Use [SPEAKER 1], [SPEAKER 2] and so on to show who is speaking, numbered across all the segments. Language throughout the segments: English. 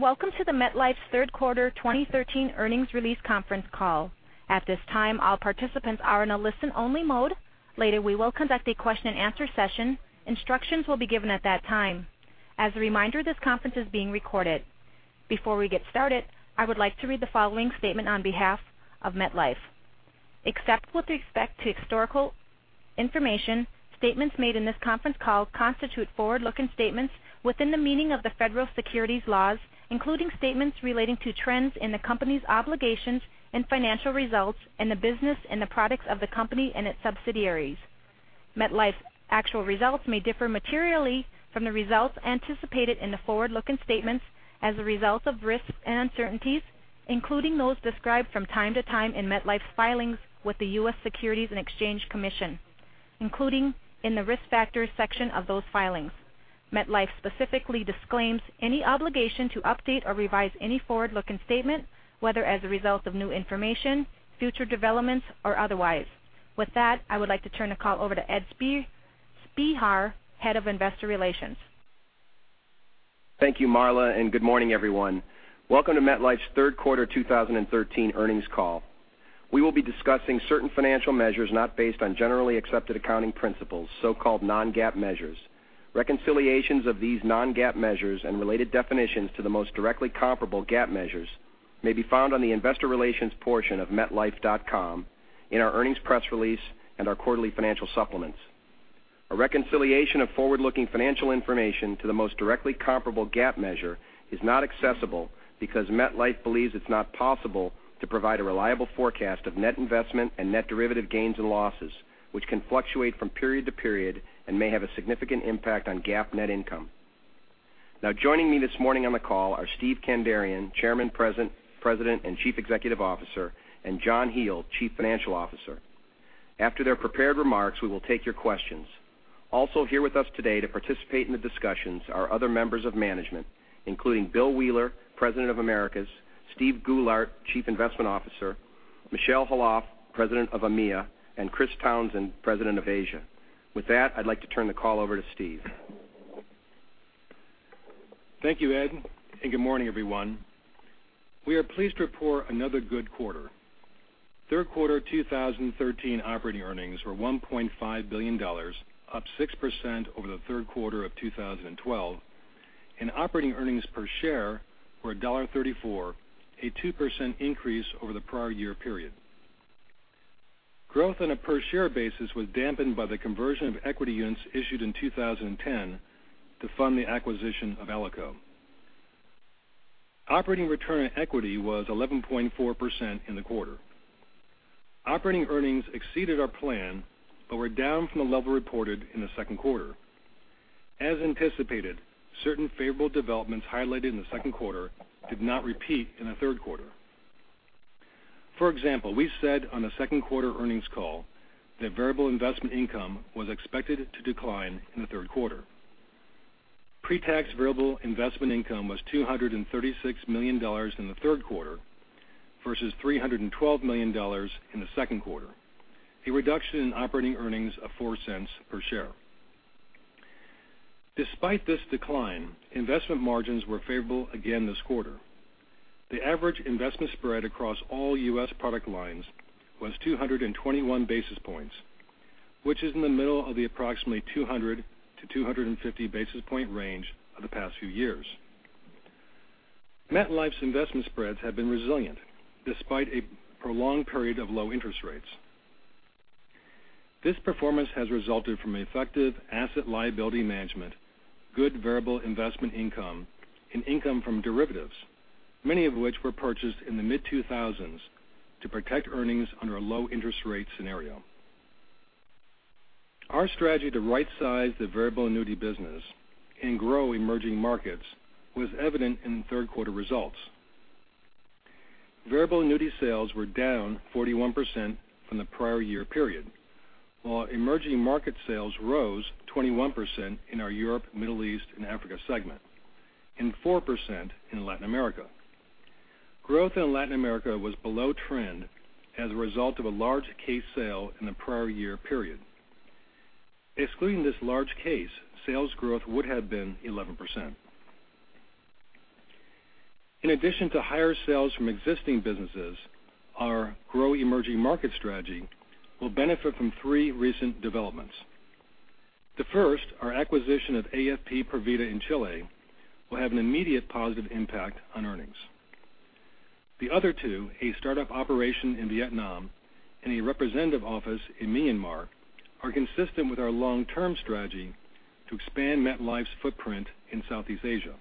[SPEAKER 1] Welcome to MetLife's third quarter 2013 earnings release conference call. At this time, all participants are in a listen-only mode. Later, we will conduct a question-and-answer session. Instructions will be given at that time. As a reminder, this conference is being recorded. Before we get started, I would like to read the following statement on behalf of MetLife. Except with respect to historical information, statements made in this conference call constitute forward-looking statements within the meaning of the federal securities laws, including statements relating to trends in the company's obligations and financial results and the business and the products of the company and its subsidiaries. MetLife's actual results may differ materially from the results anticipated in the forward-looking statements as a result of risks and uncertainties, including those described from time to time in MetLife's filings with the U.S. Securities and Exchange Commission, including in the Risk Factors section of those filings. MetLife specifically disclaims any obligation to update or revise any forward-looking statement, whether as a result of new information, future developments, or otherwise. With that, I would like to turn the call over to Edward Spehar, Head of Investor Relations.
[SPEAKER 2] Thank you, Marla, and good morning, everyone. Welcome to MetLife's third quarter 2013 earnings call. We will be discussing certain financial measures not based on Generally Accepted Accounting Principles, so-called non-GAAP measures. Reconciliations of these non-GAAP measures and related definitions to the most directly comparable GAAP measures may be found on the investor relations portion of metlife.com, in our earnings press release, and our quarterly financial supplements. A reconciliation of forward-looking financial information to the most directly comparable GAAP measure is not accessible because MetLife believes it's not possible to provide a reliable forecast of net investment and net derivative gains and losses, which can fluctuate from period to period and may have a significant impact on GAAP net income. Joining me this morning on the call are Steven Kandarian, Chairman, President, and Chief Executive Officer, and John Hele, Chief Financial Officer. After their prepared remarks, we will take your questions. Also here with us today to participate in the discussions are other members of management, including William Wheeler, President of Americas, Steven Goulart, Chief Investment Officer, Michel Khalaf, President of EMEA, and Chris Townsend, President of Asia. With that, I'd like to turn the call over to Steve.
[SPEAKER 3] Thank you, Ed, good morning, everyone. We are pleased to report another good quarter. Third quarter 2013 operating earnings were $1.5 billion, up 6% over the third quarter of 2012. Operating earnings per share were $1.34, a 2% increase over the prior year period. Growth on a per share basis was dampened by the conversion of equity units issued in 2010 to fund the acquisition of Alico. Operating return on equity was 11.4% in the quarter. Operating earnings exceeded our plan but were down from the level reported in the second quarter. As anticipated, certain favorable developments highlighted in the second quarter did not repeat in the third quarter. For example, we said on the second quarter earnings call that variable investment income was expected to decline in the third quarter. Pre-tax variable investment income was $236 million in the third quarter versus $312 million in the second quarter, a reduction in operating earnings of $0.04 per share. Despite this decline, investment margins were favorable again this quarter. The average investment spread across all U.S. product lines was 221 basis points, which is in the middle of the approximately 200-250 basis point range of the past few years. MetLife's investment spreads have been resilient despite a prolonged period of low interest rates. This performance has resulted from effective asset-liability management, good variable investment income, and income from derivatives, many of which were purchased in the mid-2000s to protect earnings under a low interest rate scenario. Our strategy to rightsize the variable annuity business and grow emerging markets was evident in the third quarter results. Variable annuity sales were down 41% from the prior year period, while emerging market sales rose 21% in our Europe, Middle East, and Africa segment, and 4% in Latin America. Growth in Latin America was below trend as a result of a large case sale in the prior year period. Excluding this large case, sales growth would have been 11%. In addition to higher sales from existing businesses, our grow emerging market strategy will benefit from three recent developments. The first, our acquisition of AFP Provida in Chile, will have an immediate positive impact on earnings. The other two, a startup operation in Vietnam and a representative office in Myanmar, are consistent with our long-term strategy to expand MetLife's footprint in Southeast Asia.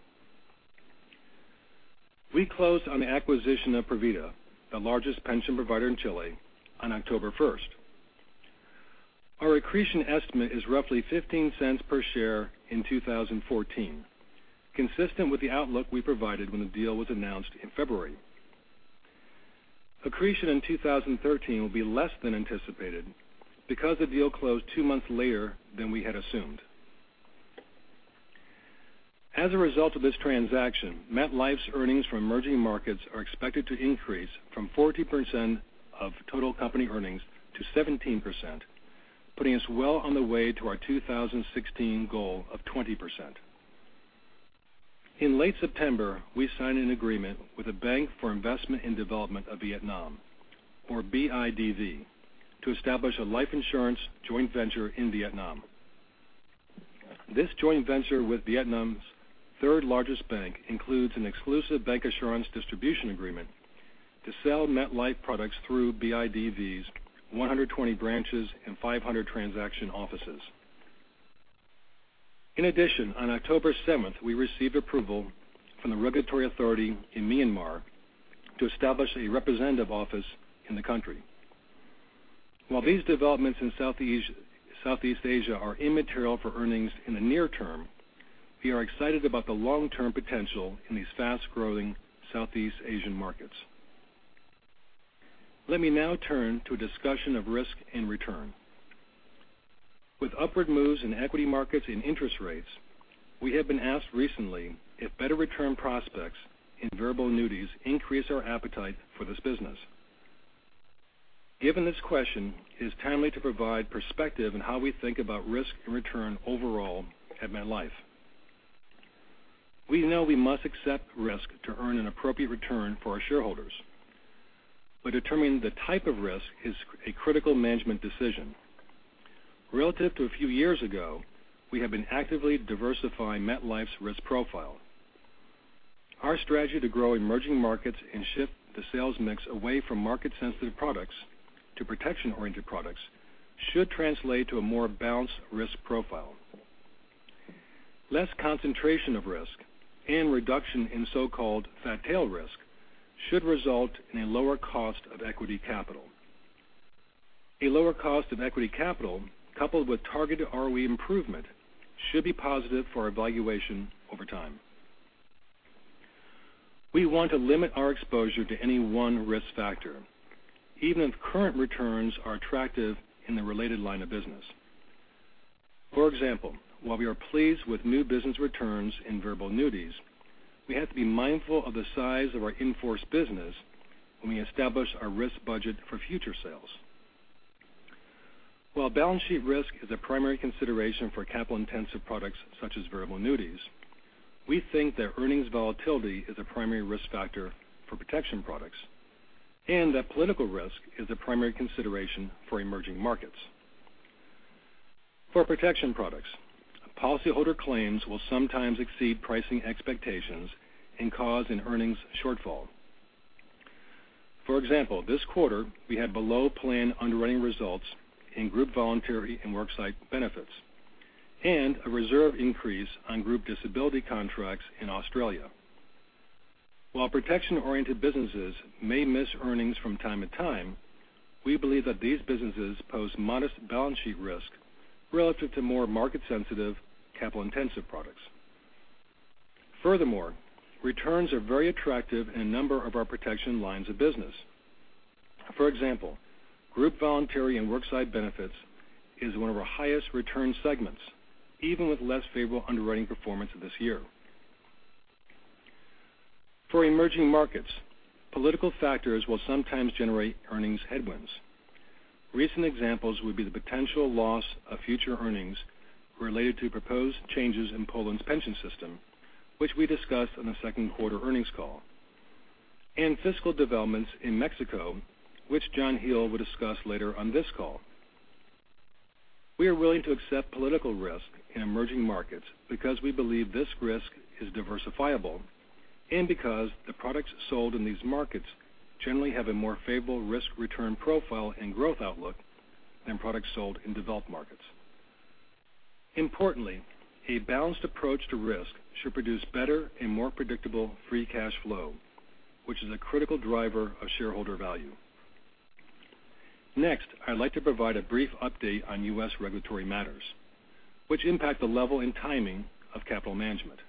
[SPEAKER 3] We closed on the acquisition of Provida, the largest pension provider in Chile, on October 1st. Our accretion estimate is roughly $0.15 per share in 2014, consistent with the outlook we provided when the deal was announced in February. Accretion in 2013 will be less than anticipated because the deal closed two months later than we had assumed. As a result of this transaction, MetLife's earnings from emerging markets are expected to increase from 14% of total company earnings to 17%, putting us well on the way to our 2016 goal of 20%. In late September, we signed an agreement with a bank for investment in development of Vietnam, or BIDV, to establish a life insurance joint venture in Vietnam. This joint venture with Vietnam's third largest bank includes an exclusive bank assurance distribution agreement to sell MetLife products through BIDV's 120 branches and 500 transaction offices. In addition, on October 7th, we received approval from the regulatory authority in Myanmar to establish a representative office in the country. While these developments in Southeast Asia are immaterial for earnings in the near term, we are excited about the long-term potential in these fast-growing Southeast Asian markets. Let me now turn to a discussion of risk and return. With upward moves in equity markets and interest rates, we have been asked recently if better return prospects in variable annuities increase our appetite for this business. Given this question, it is timely to provide perspective on how we think about risk and return overall at MetLife. We know we must accept risk to earn an appropriate return for our shareholders, but determining the type of risk is a critical management decision. Relative to a few years ago, we have been actively diversifying MetLife's risk profile. Our strategy to grow emerging markets and shift the sales mix away from market sensitive products to protection-oriented products should translate to a more balanced risk profile. Less concentration of risk and reduction in so-called fat tail risk should result in a lower cost of equity capital. A lower cost of equity capital, coupled with targeted ROE improvement, should be positive for our valuation over time. We want to limit our exposure to any one risk factor, even if current returns are attractive in the related line of business. For example, while we are pleased with new business returns in variable annuities, we have to be mindful of the size of our in-force business when we establish our risk budget for future sales. While balance sheet risk is a primary consideration for capital intensive products such as variable annuities, we think that earnings volatility is a primary risk factor for protection products, and that political risk is a primary consideration for emerging markets. For protection products, policyholder claims will sometimes exceed pricing expectations and cause an earnings shortfall. For example, this quarter we had below plan underwriting results in group voluntary and worksite benefits, and a reserve increase on group disability contracts in Australia. While protection-oriented businesses may miss earnings from time to time, we believe that these businesses pose modest balance sheet risk relative to more market sensitive, capital intensive products. Furthermore, returns are very attractive in a number of our protection lines of business. For example, group voluntary and worksite benefits is one of our highest return segments, even with less favorable underwriting performance this year. For emerging markets, political factors will sometimes generate earnings headwinds. Recent examples would be the potential loss of future earnings related to proposed changes in Poland's pension system, which we discussed on the second quarter earnings call, and fiscal developments in Mexico, which John Hele will discuss later on this call. We are willing to accept political risk in emerging markets because we believe this risk is diversifiable and because the products sold in these markets generally have a more favorable risk return profile and growth outlook than products sold in developed markets. Importantly, a balanced approach to risk should produce better and more predictable free cash flow, which is a critical driver of shareholder value. Next, I'd like to provide a brief update on U.S. regulatory matters, which impact the level and timing of capital management.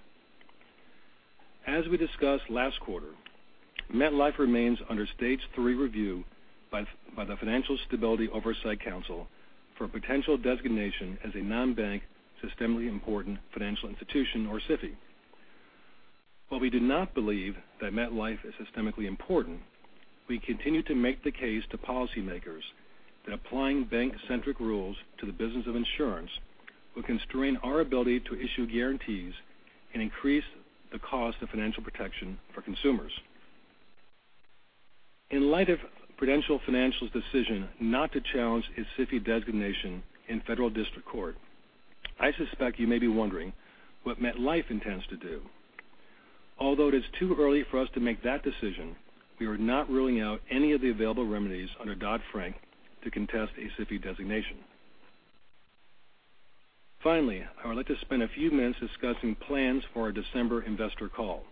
[SPEAKER 3] As we discussed last quarter, MetLife remains under stage 3 review by the Financial Stability Oversight Council for potential designation as a non-bank systemically important financial institution, or SIFI. While we do not believe that MetLife is systemically important, we continue to make the case to policymakers that applying bank-centric rules to the business of insurance will constrain our ability to issue guarantees and increase the cost of financial protection for consumers. In light of Prudential Financial's decision not to challenge its SIFI designation in federal district court, I suspect you may be wondering what MetLife intends to do. Although it is too early for us to make that decision, we are not ruling out any of the available remedies under Dodd-Frank to contest a SIFI designation. Finally, I would like to spend a few minutes discussing plans for our December investor call.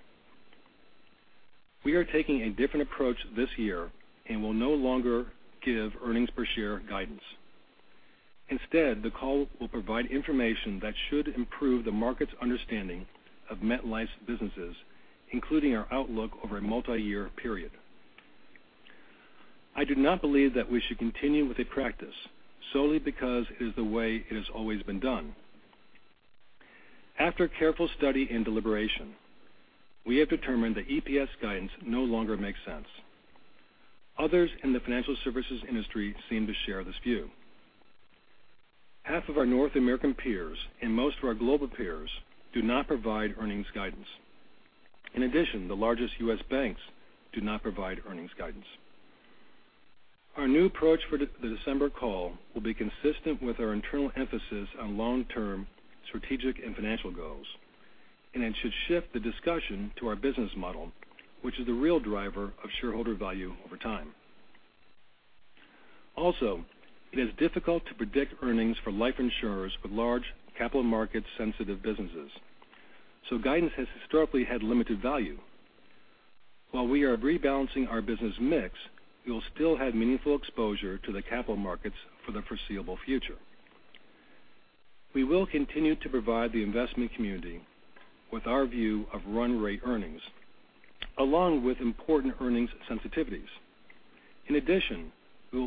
[SPEAKER 3] We are taking a different approach this year will no longer give earnings per share guidance. Instead, the call will provide information that should improve the market's understanding of MetLife's businesses, including our outlook over a multi-year period. I do not believe that we should continue with a practice solely because it is the way it has always been done. After careful study and deliberation, we have determined that EPS guidance no longer makes sense. Others in the financial services industry seem to share this view. Half of our North American peers and most of our global peers do not provide earnings guidance. The largest U.S. banks do not provide earnings guidance. Our new approach for the December call will be consistent with our internal emphasis on long-term strategic and financial goals, it should shift the discussion to our business model, which is the real driver of shareholder value over time. It is difficult to predict earnings for life insurers with large capital-market sensitive businesses, guidance has historically had limited value. We are rebalancing our business mix, we will still have meaningful exposure to the capital markets for the foreseeable future. We will continue to provide the investment community with our view of run rate earnings, along with important earnings sensitivities.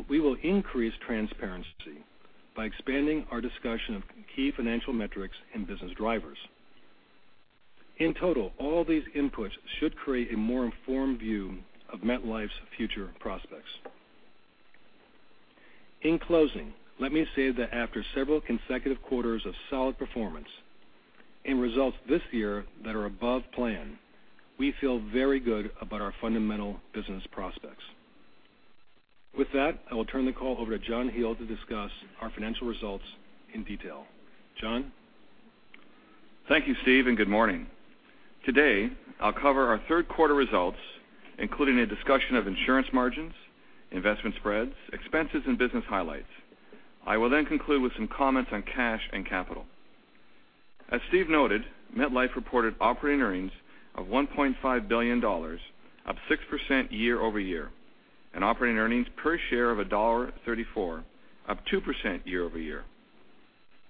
[SPEAKER 3] We will increase transparency by expanding our discussion of key financial metrics and business drivers. All these inputs should create a more informed view of MetLife's future prospects. Let me say that after several consecutive quarters of solid performance and results this year that are above plan, we feel very good about our fundamental business prospects. With that, I will turn the call over to John Hele to discuss our financial results in detail. John?
[SPEAKER 4] Thank you, Steve, and good morning. Today, I'll cover our third quarter results, including a discussion of insurance margins, investment spreads, expenses, and business highlights. I will then conclude with some comments on cash and capital. As Steve noted, MetLife reported operating earnings of $1.5 billion, up 6% year-over-year, and operating earnings per share of $1.34, up 2% year-over-year.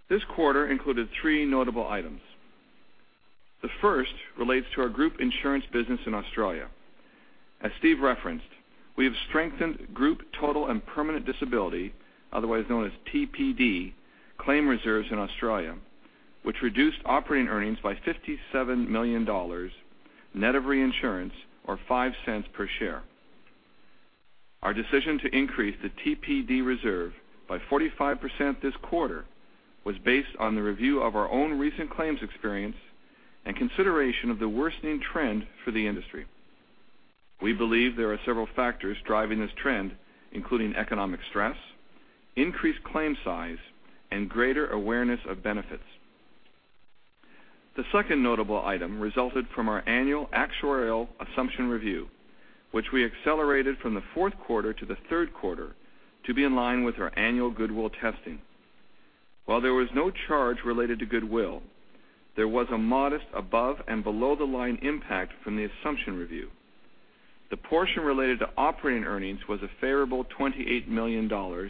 [SPEAKER 4] This quarter included three notable items. The first relates to our group insurance business in Australia. As Steve referenced, we have strengthened group total and permanent disability, otherwise known as TPD, claim reserves in Australia, which reduced operating earnings by $57 million, net of reinsurance, or $0.05 per share. Our decision to increase the TPD reserve by 45% this quarter was based on the review of our own recent claims experience and consideration of the worsening trend for the industry. We believe there are several factors driving this trend, including economic stress, increased claim size, and greater awareness of benefits. The second notable item resulted from our annual actuarial assumption review, which we accelerated from the fourth quarter to the third quarter to be in line with our annual goodwill testing. While there was no charge related to goodwill, there was a modest above and below the line impact from the assumption review. The portion related to operating earnings was a favorable $28 million, or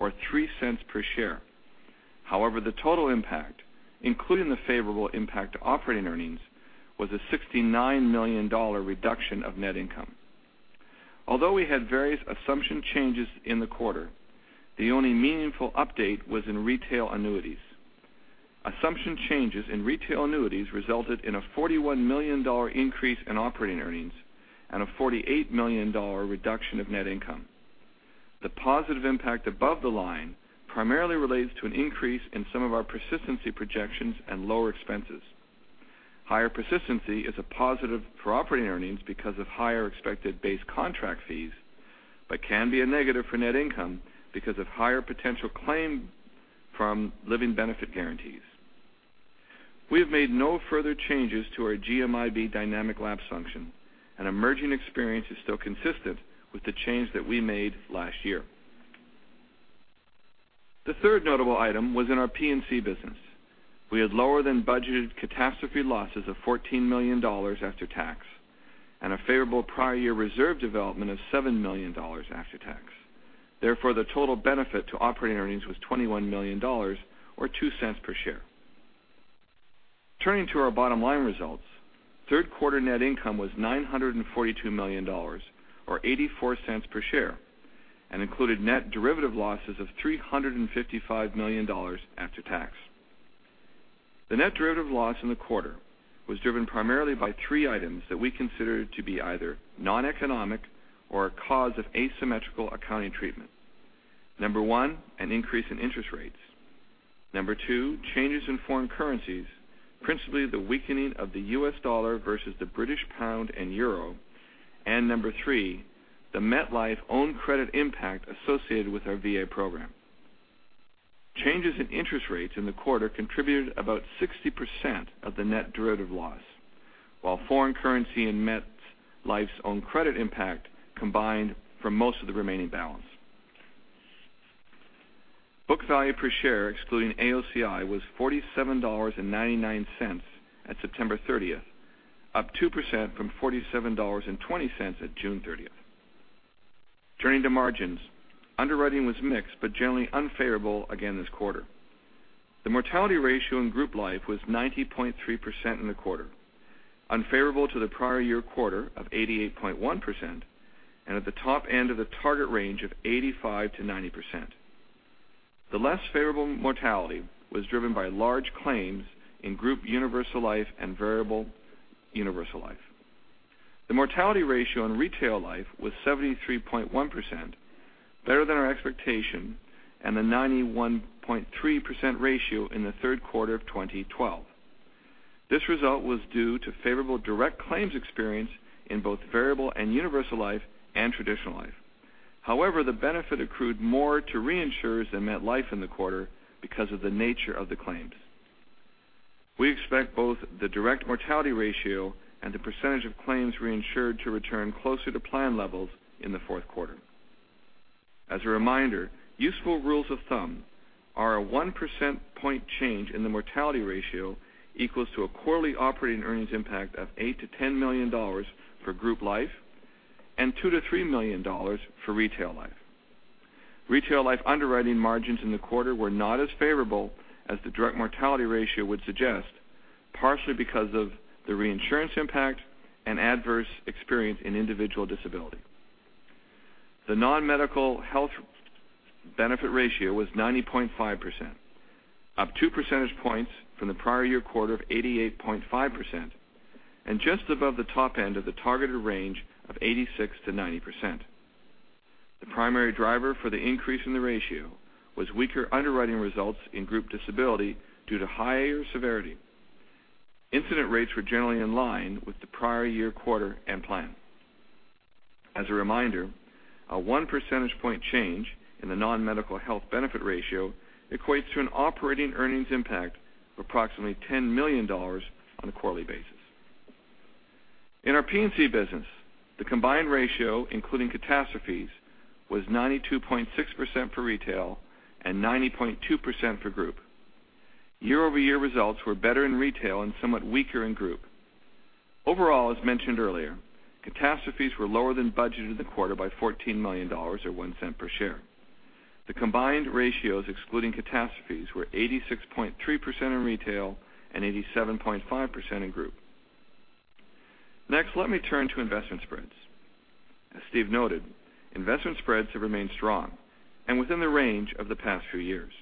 [SPEAKER 4] $0.03 per share. The total impact, including the favorable impact to operating earnings, was a $69 million reduction of net income. Although we had various assumption changes in the quarter, the only meaningful update was in retail annuities. Assumption changes in retail annuities resulted in a $41 million increase in operating earnings and a $48 million reduction of net income. The positive impact above the line primarily relates to an increase in some of our persistency projections and lower expenses. Higher persistency is a positive for operating earnings because of higher expected base contract fees but can be a negative for net income because of higher potential claim from living benefit guarantees. We have made no further changes to our GMIB dynamic lapse function, and emerging experience is still consistent with the change that we made last year. The third notable item was in our P&C business. We had lower than budgeted catastrophe losses of $14 million after tax and a favorable prior year reserve development of $7 million after tax. The total benefit to operating earnings was $21 million, or $0.02 per share. Turning to our bottom line results, third quarter net income was $942 million, or $0.84 per share, included net derivative losses of $355 million after tax. The net derivative loss in the quarter was driven primarily by three items that we considered to be either non-economic or a cause of asymmetrical accounting treatment. Number one, an increase in interest rates. Number two, changes in foreign currencies, principally the weakening of the US dollar versus the British pound and euro. Number three, the MetLife own credit impact associated with our VA program. Changes in interest rates in the quarter contributed about 60% of the net derivative loss. Foreign currency and MetLife's own credit impact combined for most of the remaining balance. Book value per share, excluding AOCI, was $47.99 at September 30th, up 2% from $47.20 at June 30th. Turning to margins, underwriting was mixed, generally unfavorable again this quarter. The mortality ratio in group life was 90.3% in the quarter, unfavorable to the prior year quarter of 88.1%, and at the top end of the target range of 85%-90%. The less favorable mortality was driven by large claims in group universal life and variable universal life. The mortality ratio in retail life was 73.1%, better than our expectation, and the 91.3% ratio in the third quarter of 2012. This result was due to favorable direct claims experience in both variable and universal life and traditional life. The benefit accrued more to reinsurers than MetLife in the quarter because of the nature of the claims. We expect both the direct mortality ratio and the percentage of claims reinsured to return closer to plan levels in the fourth quarter. As a reminder, useful rules of thumb are a one percentage point change in the mortality ratio equals to a quarterly operating earnings impact of $8 million-$10 million for group life and $2 million-$3 million for retail life. Retail life underwriting margins in the quarter were not as favorable as the direct mortality ratio would suggest, partially because of the reinsurance impact and adverse experience in individual disability. The non-medical health benefit ratio was 90.5%, up two percentage points from the prior year quarter of 88.5%, and just above the top end of the targeted range of 86%-90%. The primary driver for the increase in the ratio was weaker underwriting results in group disability due to higher severity. Incident rates were generally in line with the prior year quarter and plan. As a reminder, a one percentage point change in the non-medical health benefit ratio equates to an operating earnings impact of approximately $10 million on a quarterly basis. In our P&C business, the combined ratio, including catastrophes, was 92.6% for retail and 90.2% for group. Year-over-year results were better in retail and somewhat weaker in group. Overall, as mentioned earlier, catastrophes were lower than budgeted in the quarter by $14 million, or $0.01 per share. The combined ratios excluding catastrophes were 86.3% in retail and 87.5% in group. Next, let me turn to investment spreads. As Steven noted, investment spreads have remained strong and within the range of the past few years.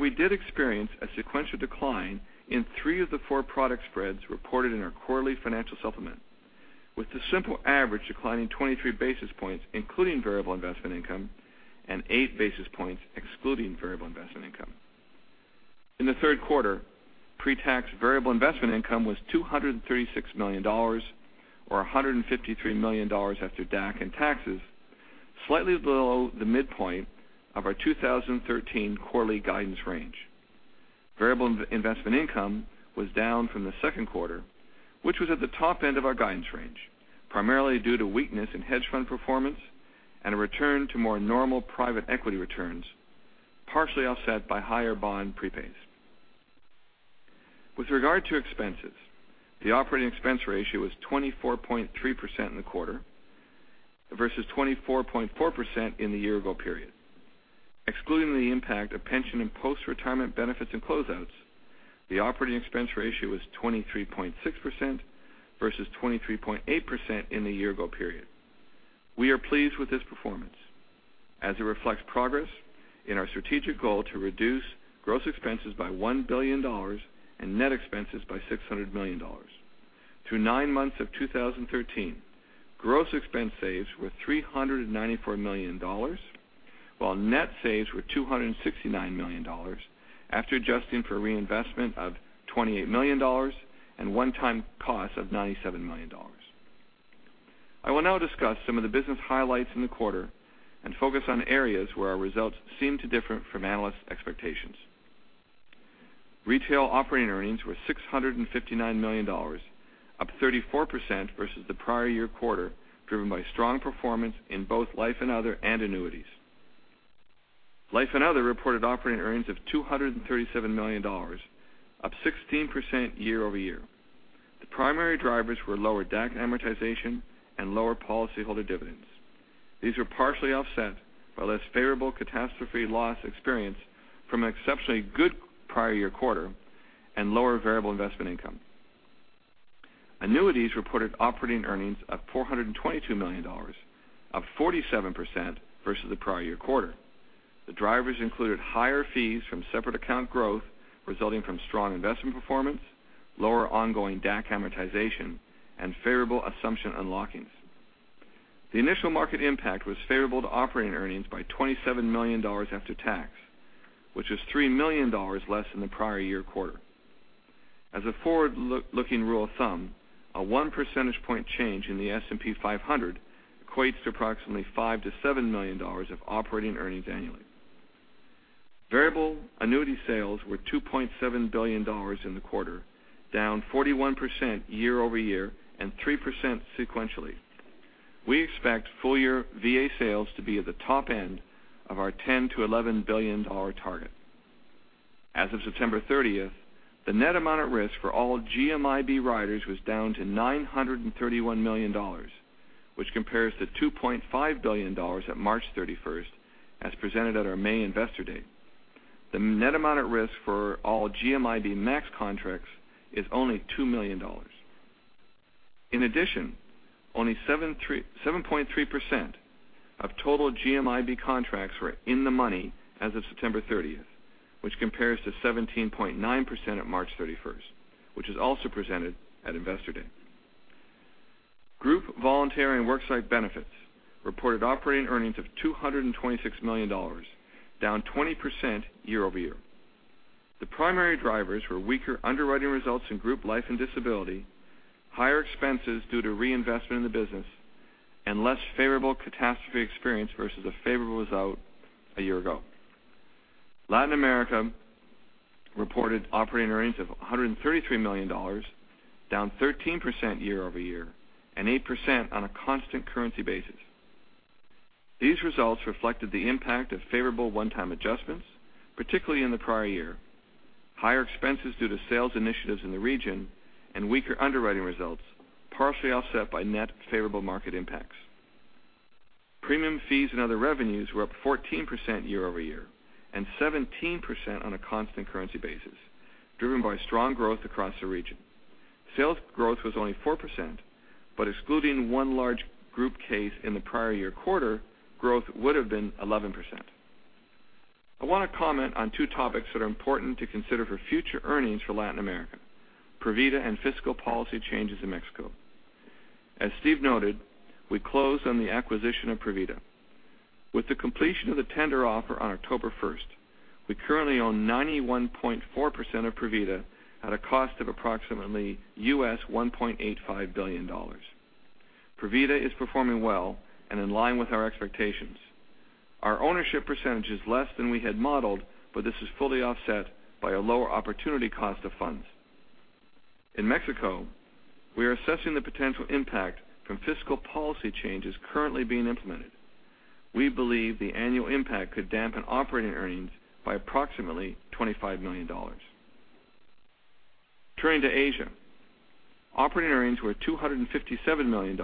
[SPEAKER 4] We did experience a sequential decline in three of the four product spreads reported in our quarterly financial supplement, with the simple average declining 23 basis points, including variable investment income, and eight basis points excluding variable investment income. In the third quarter, pretax variable investment income was $236 million, or $153 million after DAC and taxes, slightly below the midpoint of our 2013 quarterly guidance range. Variable investment income was down from the second quarter, which was at the top end of our guidance range, primarily due to weakness in hedge fund performance and a return to more normal private equity returns, partially offset by higher bond prepays. With regard to expenses, the operating expense ratio was 24.3% in the quarter versus 24.4% in the year ago period. Excluding the impact of pension and postretirement benefits and closeouts, the operating expense ratio was 23.6% versus 23.8% in the year ago period. We are pleased with this performance, as it reflects progress in our strategic goal to reduce gross expenses by $1 billion and net expenses by $600 million. Through nine months of 2013, gross expense saves were $394 million, while net saves were $269 million, after adjusting for reinvestment of $28 million and one-time costs of $97 million. I will now discuss some of the business highlights in the quarter and focus on areas where our results seem to differ from analysts' expectations. Retail operating earnings were $659 million, up 34% versus the prior year quarter, driven by strong performance in both life and other and annuities. Life and other reported operating earnings of $237 million, up 16% year-over-year. The primary drivers were lower DAC amortization and lower policyholder dividends. These were partially offset by less favorable catastrophe loss experience from an exceptionally good prior year quarter and lower variable investment income. Annuities reported operating earnings of $422 million, up 47% versus the prior year quarter. The drivers included higher fees from separate account growth resulting from strong investment performance, lower ongoing DAC amortization, and favorable assumption unlockings. The initial market impact was favorable to operating earnings by $27 million after tax, which was $3 million less than the prior year quarter. As a forward-looking rule of thumb, a one percentage point change in the S&P 500 equates to approximately $5 million-$7 million of operating earnings annually. Variable annuity sales were $2.7 billion in the quarter, down 41% year-over-year and 3% sequentially. We expect full year VA sales to be at the top end of our $10 billion-$11 billion target. As of September 30th, the net amount at risk for all GMIB riders was down to $931 million, which compares to $2.5 billion at March 31st, as presented at our May Investor Day. The net amount at risk for all GMIB Max contracts is only $2 million. In addition, only 7.3% of total GMIB contracts were in the money as of September 30th, which compares to 17.9% at March 31st, which is also presented at Investor Day. Group voluntary and worksite benefits reported operating earnings of $226 million, down 20% year-over-year. The primary drivers were weaker underwriting results in group life and disability, higher expenses due to reinvestment in the business, and less favorable catastrophe experience versus a favorable result a year ago. Latin America reported operating earnings of $133 million, down 13% year-over-year, and 8% on a constant currency basis. These results reflected the impact of favorable one-time adjustments, particularly in the prior year. Higher expenses due to sales initiatives in the region and weaker underwriting results, partially offset by net favorable market impacts. Premium fees and other revenues were up 14% year-over-year, and 17% on a constant currency basis, driven by strong growth across the region. Sales growth was only 4%, but excluding one large group case in the prior year quarter, growth would've been 11%. I want to comment on two topics that are important to consider for future earnings for Latin America, Provida and fiscal policy changes in Mexico. As Steve noted, we closed on the acquisition of Provida. With the completion of the tender offer on October 1st, we currently own 91.4% of Provida at a cost of approximately $1.85 billion. Provida is performing well and in line with our expectations. Our ownership percentage is less than we had modeled, but this is fully offset by a lower opportunity cost of funds. In Mexico, we are assessing the potential impact from fiscal policy changes currently being implemented. We believe the annual impact could dampen operating earnings by approximately $25 million. Turning to Asia. Operating earnings were $257 million,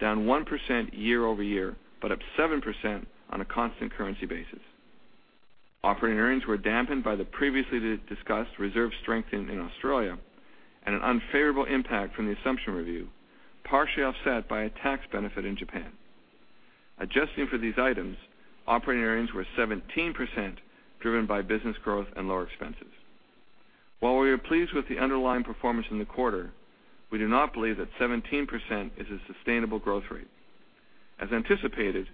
[SPEAKER 4] down 1% year-over-year, but up 7% on a constant currency basis. Operating earnings were dampened by the previously discussed reserve strengthening in Australia and an unfavorable impact from the assumption review, partially offset by a tax benefit in Japan. Adjusting for these items, operating earnings were 17% driven by business growth and lower expenses. While we are pleased with the underlying performance in the quarter, we do not believe that 17% is a sustainable growth rate. As anticipated,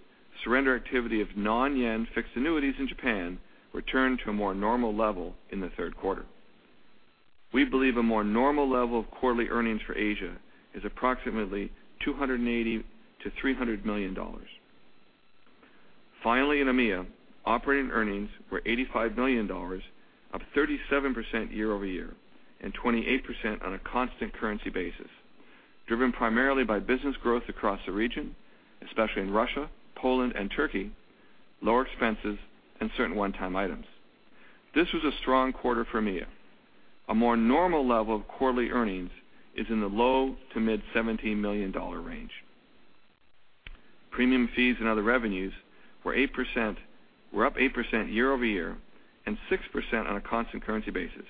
[SPEAKER 4] surrender activity of non-Yen fixed annuities in Japan returned to a more normal level in the third quarter. We believe a more normal level of quarterly earnings for Asia is approximately $280 million-$300 million. Finally, in EMEA, operating earnings were $85 million, up 37% year-over-year, and 28% on a constant currency basis, driven primarily by business growth across the region, especially in Russia, Poland, and Turkey, lower expenses and certain one-time items. This was a strong quarter for EMEA. A more normal level of quarterly earnings is in the low to mid $17 million range. Premium fees and other revenues were up 8% year-over-year and 6% on a constant currency basis,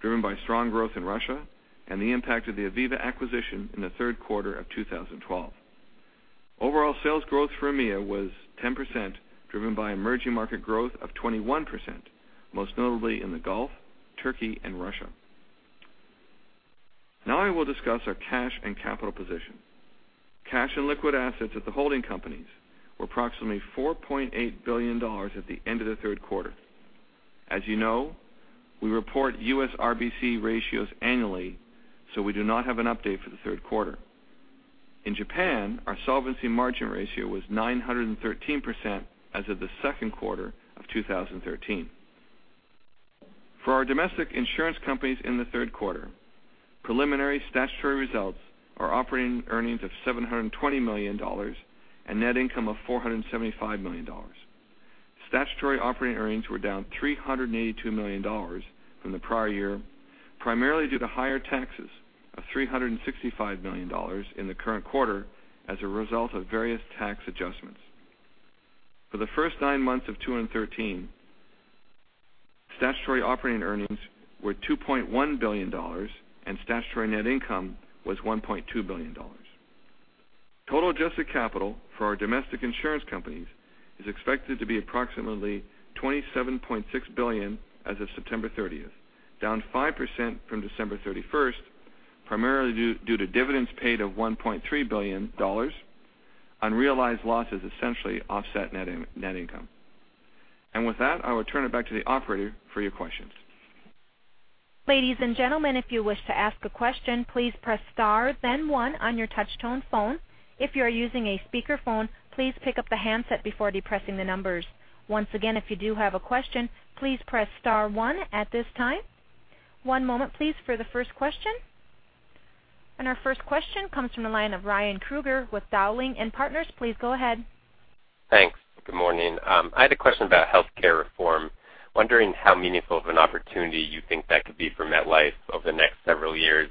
[SPEAKER 4] driven by strong growth in Russia and the impact of the Aviva acquisition in the third quarter of 2012. Overall sales growth for EMEA was 10% driven by emerging market growth of 21%, most notably in the Gulf, Turkey and Russia. Now I will discuss our cash and capital position. Cash and liquid assets at the holding companies were approximately $4.8 billion at the end of the third quarter. As you know, we report U.S. RBC ratios annually, so we do not have an update for the third quarter. In Japan, our solvency margin ratio was 913% as of the second quarter of 2013. For our domestic insurance companies in the third quarter, preliminary statutory results are operating earnings of $720 million and net income of $475 million. Statutory operating earnings were down $382 million from the prior year, primarily due to higher taxes of $365 million in the current quarter as a result of various tax adjustments. For the first nine months of 2013, statutory operating earnings were $2.1 billion, and statutory net income was $1.2 billion. Total adjusted capital for our domestic insurance companies is expected to be approximately $27.6 billion as of September 30th, down 5% from December 31st, primarily due to dividends paid of $1.3 billion. Unrealized losses essentially offset net income. With that, I will turn it back to the operator for your questions.
[SPEAKER 1] Ladies and gentlemen, if you wish to ask a question, please press star one on your touch tone phone. If you are using a speakerphone, please pick up the handset before depressing the numbers. Once again, if you do have a question, please press star one at this time. One moment please for the first question. Our first question comes from the line of Ryan Krueger with Dowling & Partners. Please go ahead.
[SPEAKER 5] Thanks. Good morning. I had a question about healthcare reform. Wondering how meaningful of an opportunity you think that could be for MetLife over the next several years,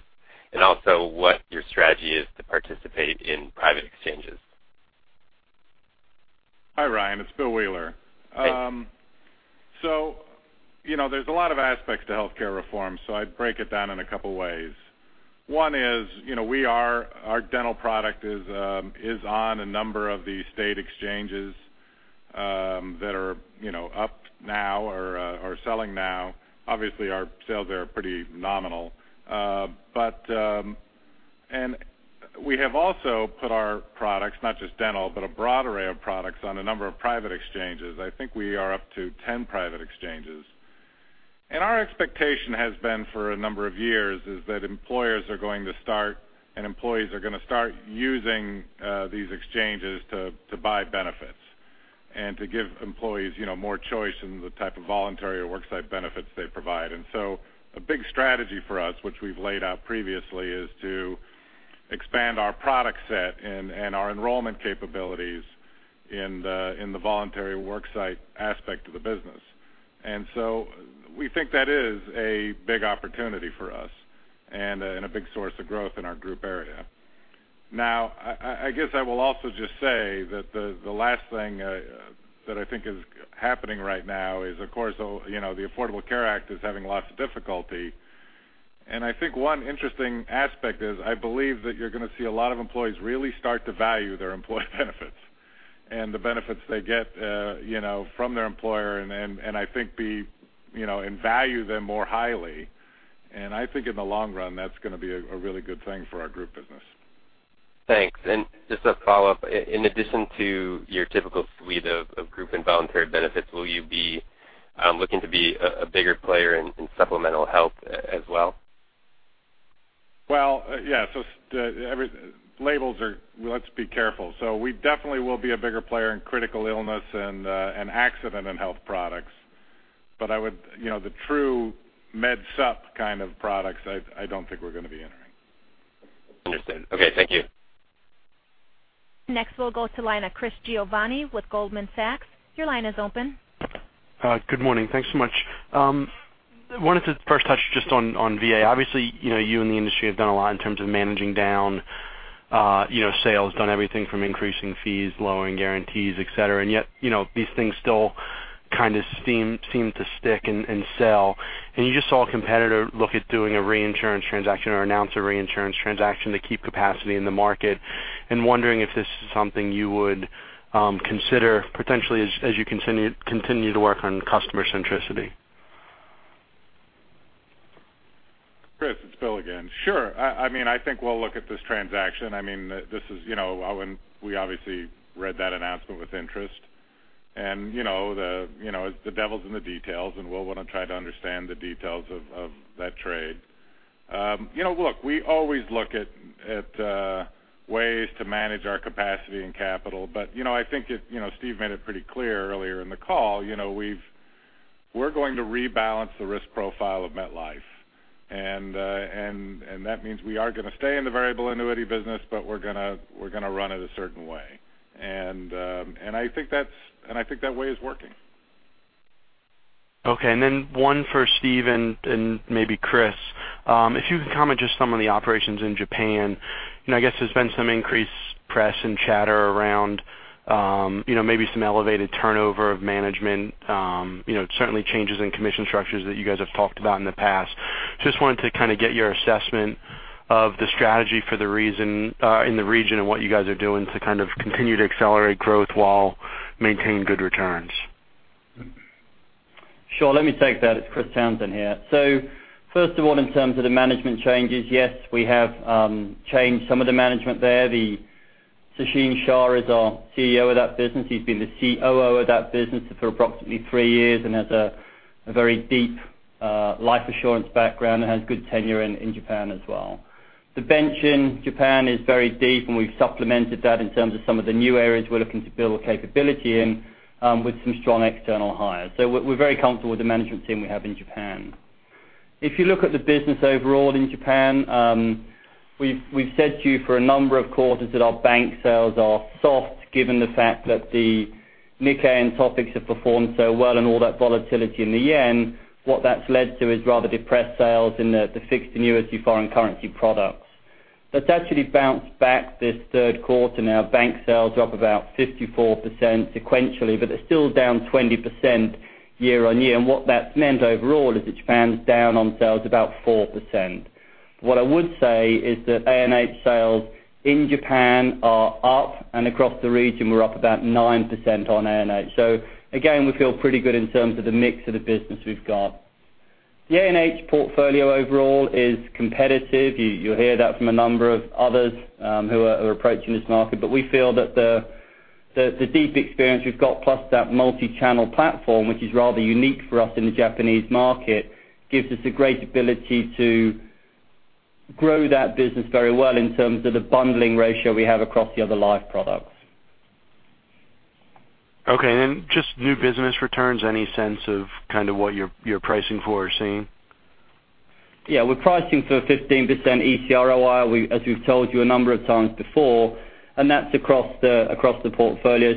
[SPEAKER 5] and also what your strategy is to participate in private exchanges?
[SPEAKER 6] Ryan, it's Bill Wheeler.
[SPEAKER 5] Hey.
[SPEAKER 6] There's a lot of aspects to healthcare reform. I'd break it down in a couple of ways. One is our dental product is on a number of the state exchanges that are up now or are selling now. Obviously, our sales there are pretty nominal. We have also put our products, not just dental, but a broad array of products, on a number of private exchanges. I think we are up to 10 private exchanges. Our expectation has been for a number of years, is that employers are going to start, and employees are going to start using these exchanges to buy benefits and to give employees more choice in the type of voluntary or worksite benefits they provide. A big strategy for us, which we've laid out previously, is to expand our product set and our enrollment capabilities in the voluntary worksite aspect of the business. We think that is a big opportunity for us and a big source of growth in our group area. I guess I will also just say that the last thing that I think is happening right now is, of course, the Affordable Care Act is having lots of difficulty. I think one interesting aspect is, I believe that you're going to see a lot of employees really start to value their employee benefits and the benefits they get from their employer, and value them more highly. I think in the long run, that's going to be a really good thing for our group business.
[SPEAKER 5] Thanks. Just a follow-up. In addition to your typical suite of group and voluntary benefits, will you be looking to be a bigger player in supplemental health as well?
[SPEAKER 6] Well, yeah. Let's be careful. We definitely will be a bigger player in critical illness and accident and health products. The true med supp kind of products, I don't think we're going to be entering.
[SPEAKER 5] Understood. Okay. Thank you.
[SPEAKER 1] Next, we'll go to line of Chris Giovanni with Goldman Sachs. Your line is open.
[SPEAKER 7] Good morning. Thanks so much. Wanted to first touch just on VA. Obviously, you and the industry have done a lot in terms of managing down sales, done everything from increasing fees, lowering guarantees, et cetera. Yet, these things still kind of seem to stick and sell. You just saw a competitor look at doing a reinsurance transaction or announce a reinsurance transaction to keep capacity in the market. I'm wondering if this is something you would consider potentially as you continue to work on customer centricity.
[SPEAKER 6] Chris, it's Bill again. Sure. I think we'll look at this transaction. We obviously read that announcement with interest. The devil's in the details, and we'll want to try to understand the details of that trade. Look, we always look at ways to manage our capacity and capital. I think Steve made it pretty clear earlier in the call, we're going to rebalance the risk profile of MetLife. That means we are going to stay in the variable annuity business, but we're going to run it a certain way. I think that way is working.
[SPEAKER 7] Okay. Then one for Steve and maybe Chris. If you could comment just some of the operations in Japan. I guess there's been some increased press and chatter around maybe some elevated turnover of management. Certainly changes in commission structures that you guys have talked about in the past. Just wanted to kind of get your assessment of the strategy in the region and what you guys are doing to kind of continue to accelerate growth while maintaining good returns.
[SPEAKER 8] Sure. Let me take that. It's Chris Townsend here. First of all, in terms of the management changes, yes, we have changed some of the management there. Sachin Shah is our CEO of that business. He's been the COO of that business for approximately three years and has a very deep life assurance background and has good tenure in Japan as well. The bench in Japan is very deep, and we've supplemented that in terms of some of the new areas we're looking to build capability in with some strong external hires. We're very comfortable with the management team we have in Japan. If you look at the business overall in Japan, we've said to you for a number of quarters that our bank sales are soft given the fact that the Nikkei and TOPIX have performed so well and all that volatility in the yen, what that's led to is rather depressed sales in the fixed annuity foreign currency products. That's actually bounced back this third quarter now. Bank sales are up about 54% sequentially, but they're still down 20% year-on-year. What that's meant overall is that Japan's down on sales about 4%. What I would say is that A&H sales in Japan are up, and across the region, we're up about 9% on A&H. Again, we feel pretty good in terms of the mix of the business we've got. The A&H portfolio overall is competitive. You'll hear that from a number of others who are approaching this market. We feel that the deep experience we've got, plus that multi-channel platform, which is rather unique for us in the Japanese market, gives us a great ability to grow that business very well in terms of the bundling ratio we have across the other life products.
[SPEAKER 7] Okay. Just new business returns, any sense of kind of what your pricing for are seeing?
[SPEAKER 8] Yeah. We're pricing for a 15% ECROI, as we've told you a number of times before. That's across the portfolio.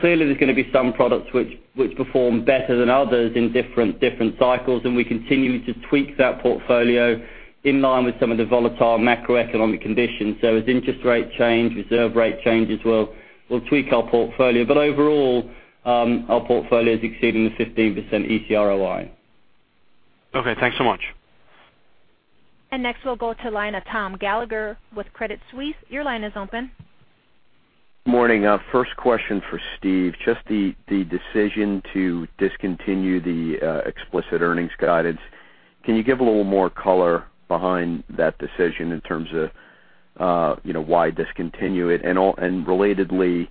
[SPEAKER 8] Clearly there's going to be some products which perform better than others in different cycles. We continue to tweak that portfolio in line with some of the volatile macroeconomic conditions. As interest rate change, reserve rate changes, we'll tweak our portfolio. Overall, our portfolio is exceeding the 15% ECROI.
[SPEAKER 7] Okay, thanks so much.
[SPEAKER 1] Next we'll go to the line of Tom Gallagher with Credit Suisse. Your line is open.
[SPEAKER 9] Morning. First question for Steve. Just the decision to discontinue the explicit earnings guidance. Can you give a little more color behind that decision in terms of why discontinue it? Relatedly,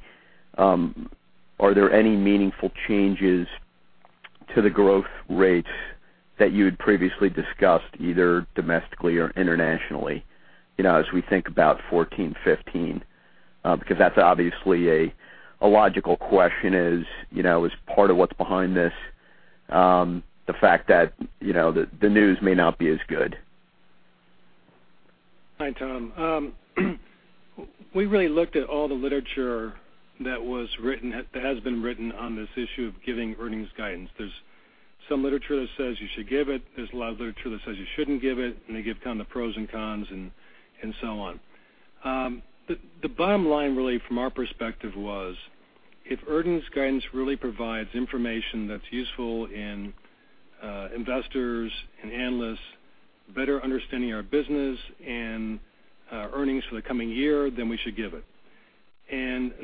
[SPEAKER 9] are there any meaningful changes to the growth rates that you had previously discussed, either domestically or internationally, as we think about 2014, 2015? That's obviously a logical question is part of what's behind this the fact that the news may not be as good?
[SPEAKER 3] Hi, Tom. We really looked at all the literature that has been written on this issue of giving earnings guidance. There's some literature that says you should give it, there's a lot of literature that says you shouldn't give it, and they give kind of the pros and cons and so on. The bottom line really from our perspective was, if earnings guidance really provides information that's useful in investors and analysts better understanding our business and earnings for the coming year, then we should give it.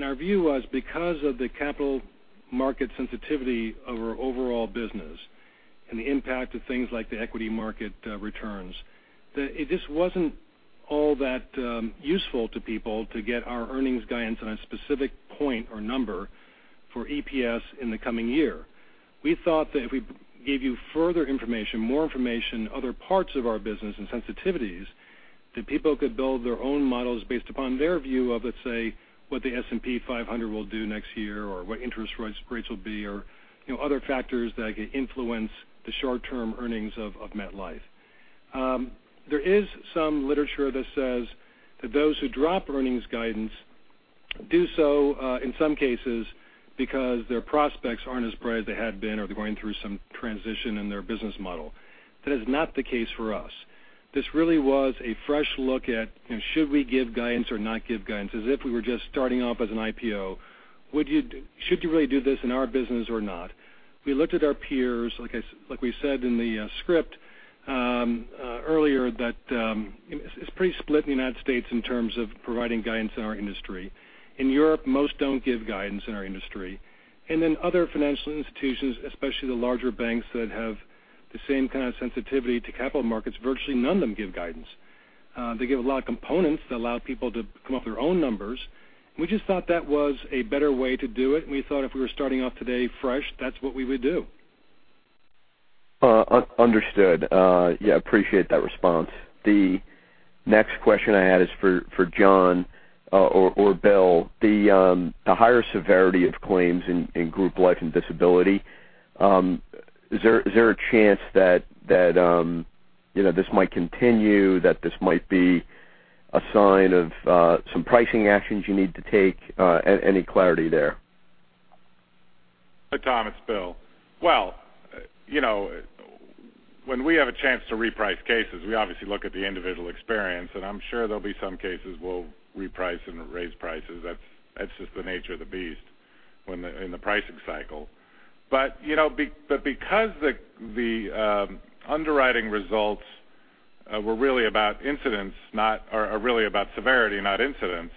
[SPEAKER 3] Our view was because of the capital market sensitivity of our overall business and the impact of things like the equity market returns, that it just wasn't all that useful to people to get our earnings guidance on a specific point or number for EPS in the coming year. We thought that if we gave you further information, more information, other parts of our business and sensitivities, that people could build their own models based upon their view of, let's say, what the S&P 500 will do next year or what interest rates will be, or other factors that could influence the short-term earnings of MetLife. There is some literature that says that those who drop earnings guidance do so, in some cases, because their prospects aren't as bright as they had been or they're going through some transition in their business model. That is not the case for us. This really was a fresh look at should we give guidance or not give guidance, as if we were just starting off as an IPO. Should you really do this in our business or not? We looked at our peers, like we said in the script earlier, that it's pretty split in the United States in terms of providing guidance in our industry. In Europe, most don't give guidance in our industry. Other financial institutions, especially the larger banks that have the same kind of sensitivity to capital markets, virtually none of them give guidance. They give a lot of components that allow people to come up with their own numbers. We just thought that was a better way to do it, and we thought if we were starting off today fresh, that's what we would do.
[SPEAKER 9] Understood. Yeah, appreciate that response. The next question I had is for John or Bill. The higher severity of claims in group life and disability, is there a chance that this might continue, that this might be a sign of some pricing actions you need to take? Any clarity there?
[SPEAKER 6] Hi, Tom. It's Bill. When we have a chance to reprice cases, we obviously look at the individual experience, and I'm sure there'll be some cases we'll reprice and raise prices. That's just the nature of the beast in the pricing cycle. Because the underwriting results were really about severity, not incidence,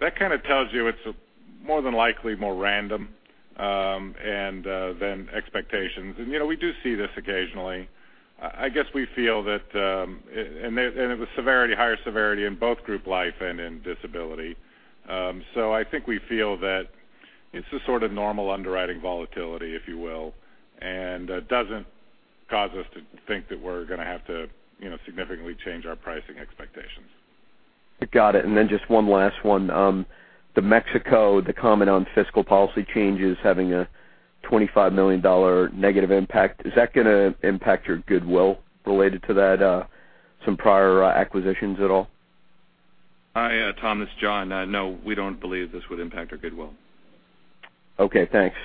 [SPEAKER 6] that kind of tells you it's more than likely more random than expectations. We do see this occasionally. I guess we feel that it was higher severity in both group life and in disability. I think we feel that it's just sort of normal underwriting volatility, if you will, and doesn't cause us to think that we're going to have to significantly change our pricing expectations.
[SPEAKER 9] Got it. Then just one last one. The Mexico, the comment on fiscal policy changes having a $25 million negative impact, is that going to impact your goodwill related to that, some prior acquisitions at all?
[SPEAKER 4] Hi, Tom, this is John. No, we don't believe this would impact our goodwill.
[SPEAKER 9] Okay, thanks.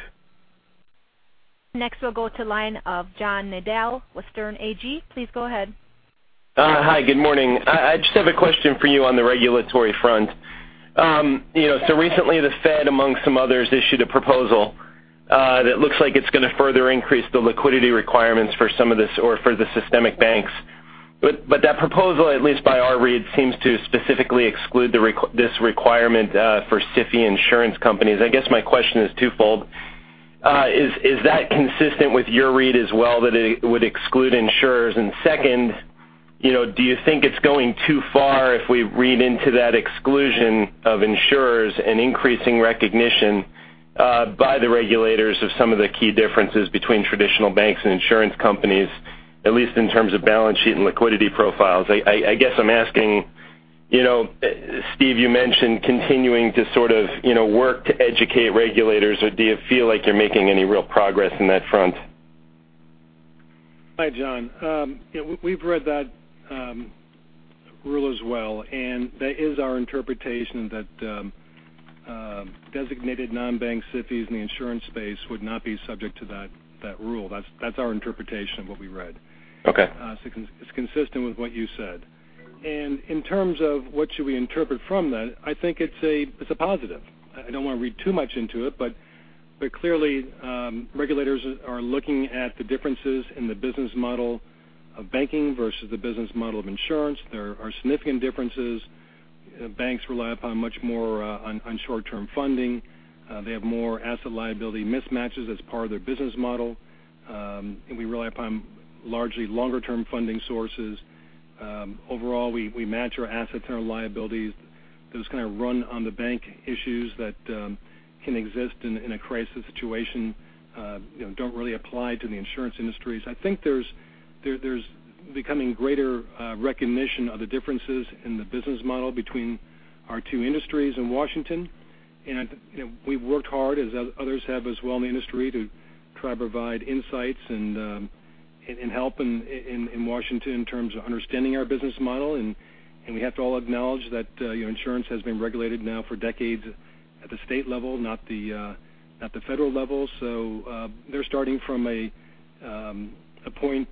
[SPEAKER 1] Next we'll go to the line of John Nadel with Sterne Agee. Please go ahead.
[SPEAKER 10] Hi. Good morning. I just have a question for you on the regulatory front. Recently the Fed, among some others, issued a proposal that looks like it's going to further increase the liquidity requirements for the systemic banks. That proposal, at least by our read, seems to specifically exclude this requirement for SIFI insurance companies. I guess my question is twofold. Is that consistent with your read as well, that it would exclude insurers? And second, do you think it's going too far if we read into that exclusion of insurers and increasing recognition by the regulators of some of the key differences between traditional banks and insurance companies, at least in terms of balance sheet and liquidity profiles? I guess I'm asking, Steve, you mentioned continuing to sort of work to educate regulators, or do you feel like you're making any real progress on that front?
[SPEAKER 3] Hi, John. We've read that rule as well, that is our interpretation that designated non-bank SIFIs in the insurance space would not be subject to that rule. That's our interpretation of what we read.
[SPEAKER 10] Okay.
[SPEAKER 3] It's consistent with what you said. In terms of what should we interpret from that, I think it's a positive. I don't want to read too much into it. Clearly, regulators are looking at the differences in the business model of banking versus the business model of insurance. There are significant differences. Banks rely upon much more on short-term funding. They have more asset liability mismatches as part of their business model. We rely upon largely longer-term funding sources. Overall, we match our assets and our liabilities. Those kind of run-on-the-bank issues that can exist in a crisis situation don't really apply to the insurance industry. I think there's becoming greater recognition of the differences in the business model between our two industries in Washington. We've worked hard, as others have as well in the industry, to try to provide insights and help in Washington in terms of understanding our business model. We have to all acknowledge that insurance has been regulated now for decades at the state level, not the federal level. They're starting from a point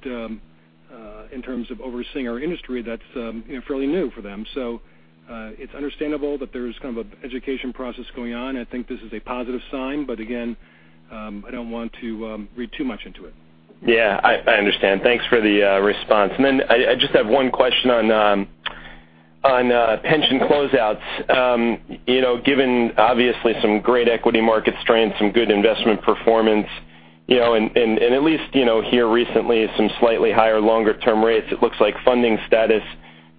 [SPEAKER 3] in terms of overseeing our industry that's fairly new for them. It's understandable that there's kind of an education process going on. I think this is a positive sign. Again, I don't want to read too much into it.
[SPEAKER 10] Yeah, I understand. Thanks for the response. I just have one question on pension closeouts. Given obviously some great equity market strength, some good investment performance, and at least here recently, some slightly higher longer-term rates, it looks like funding status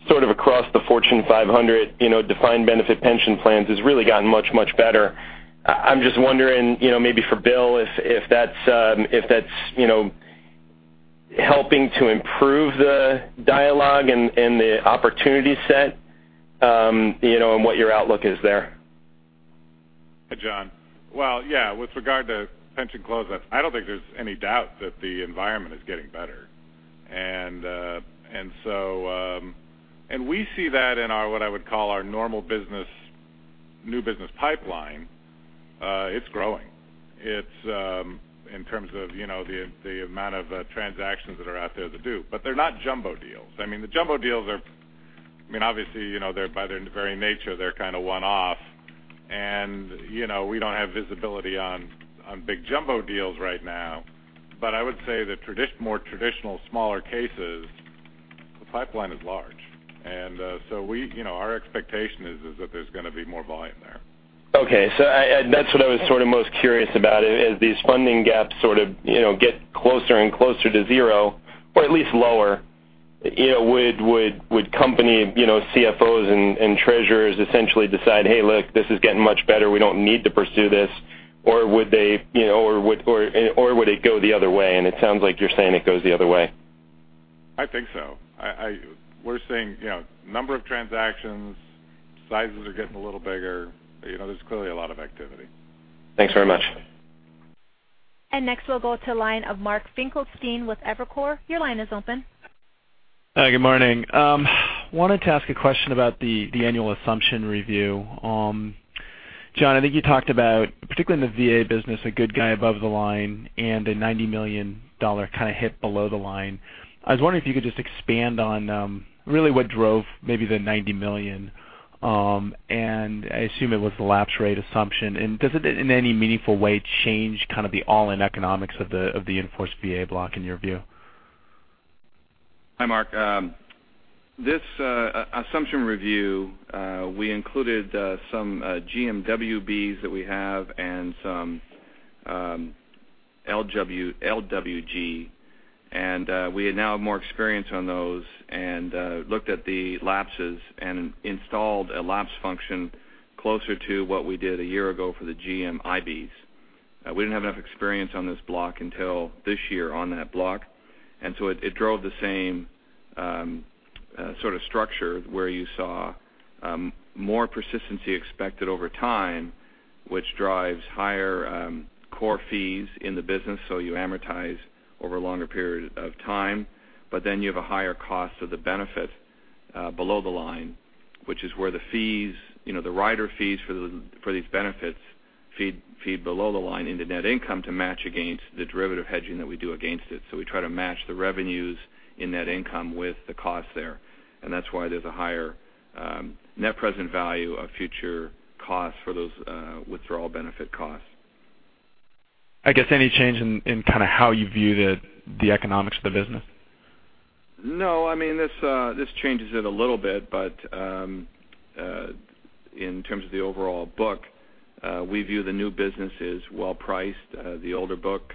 [SPEAKER 10] sort of across the Fortune 500 defined benefit pension plans has really gotten much, much better. I'm just wondering, maybe for Bill, if that's helping to improve the dialogue and the opportunity set, and what your outlook is there.
[SPEAKER 6] Hi, John. Yeah, with regard to pension closeouts, I don't think there's any doubt that the environment is getting better. We see that in what I would call our normal business new business pipeline. It's growing. In terms of the amount of transactions that are out there to do, but they're not jumbo deals. I mean, the jumbo deals are, obviously, by their very nature, they're kind of one-off, and we don't have visibility on big jumbo deals right now. I would say the more traditional, smaller cases, the pipeline is large. Our expectation is that there's going to be more volume there.
[SPEAKER 10] That's what I was sort of most curious about. As these funding gaps sort of get closer and closer to zero, or at least lower, would company CFOs and treasurers essentially decide, hey, look, this is getting much better, we don't need to pursue this? Would it go the other way? It sounds like you're saying it goes the other way.
[SPEAKER 6] I think so. We're seeing number of transactions, sizes are getting a little bigger. There's clearly a lot of activity.
[SPEAKER 10] Thanks very much.
[SPEAKER 1] Next, we'll go to the line of Mark Finkelstein with Evercore. Your line is open.
[SPEAKER 11] Hi, good morning. Wanted to ask a question about the annual assumption review. John, I think you talked about, particularly in the VA business, a good guy above the line and a $90 million kind of hit below the line. I was wondering if you could just expand on really what drove maybe the $90 million. I assume it was the lapse rate assumption. Does it, in any meaningful way, change kind of the all-in economics of the enforced VA block in your view?
[SPEAKER 4] Hi, Mark. This assumption review we included some GMWBs that we have and some LWG. We now have more experience on those and looked at the lapses and installed a lapse function closer to what we did a year ago for the GMIBs. We didn't have enough experience on this block until this year on that block. It drove the same sort of structure where you saw more persistency expected over time, which drives higher core fees in the business. You amortize over a longer period of time. You have a higher cost of the benefit below the line, which is where the rider fees for these benefits feed below the line into net income to match against the derivative hedging that we do against it.
[SPEAKER 3] We try to match the revenues in net income with the cost there. That's why there's a higher net present value of future costs for those withdrawal benefit costs.
[SPEAKER 11] I guess any change in kind of how you viewed the economics of the business?
[SPEAKER 3] No, I mean, this changes it a little bit. In terms of the overall book, we view the new business as well-priced. The older book